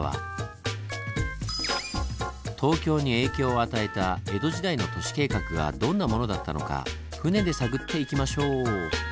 東京に影響を与えた江戸時代の都市計画がどんなものだったのか船で探っていきましょう！